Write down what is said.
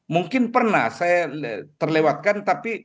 mungkin pernah saya terlewatkan tapi rentang waktu yang begitu panjang ini